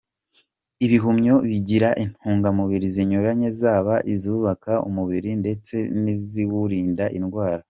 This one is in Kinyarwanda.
Ibihumyo bigira intungamubiri zinyuranye zaba izubaka umubiri ndetse niziwurinda indwara.